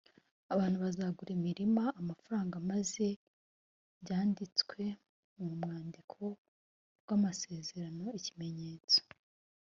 abantu bazagura imirima amafaranga maze byandikwe mu rwandiko rw amasezerano ikimenyetso